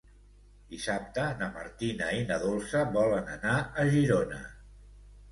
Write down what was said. Dissabte na Martina i na Dolça volen anar a Girona.